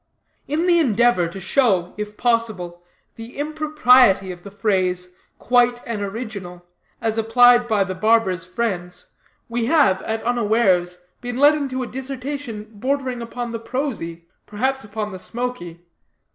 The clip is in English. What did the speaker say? In the endeavor to show, if possible, the impropriety of the phrase, Quite an Original, as applied by the barber's friends, we have, at unawares, been led into a dissertation bordering upon the prosy, perhaps upon the smoky.